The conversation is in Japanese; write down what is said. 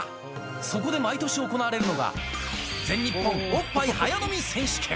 そこで毎年行われるのが、全日本おっぱい早飲み選手権。